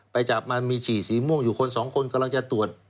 ไปจับมันมีฉี่สีม่วงอยู่คนสองคนกำลังจะตรวจ